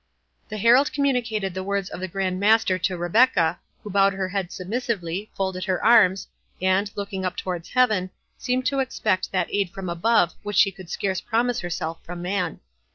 The herald communicated the words of the Grand Master to Rebecca, who bowed her head submissively, folded her arms, and, looking up towards heaven, seemed to expect that aid from above which she could scarce promise herself from man.